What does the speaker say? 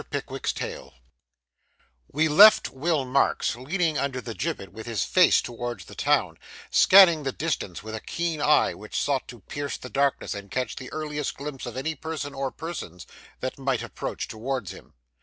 PICKWICK'S TALE We left Will Marks leaning under the gibbet with his face towards the town, scanning the distance with a keen eye, which sought to pierce the darkness and catch the earliest glimpse of any person or persons that might approach towards him.